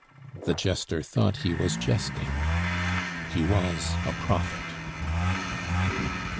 The jester thought he was jesting; he was a prophet.